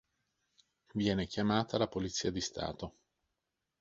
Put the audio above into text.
Viene chiamata la polizia di stato.